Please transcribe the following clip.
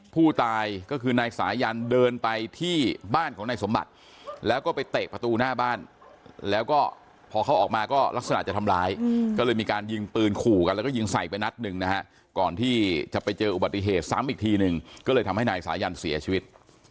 พอออกมาก็ลักษณะจะทำร้ายก็เลยมีการยิงปืนขู่กันแล้วก็ยิงใส่ไปนัดนึงนะฮะก่อนที่จะไปเจออุบัติเหตุซ้ำอีกทีนึงก็เลยทำให้นายสายันเสียชีวิต